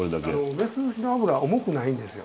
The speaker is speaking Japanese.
雌牛の脂は重くないんですよ。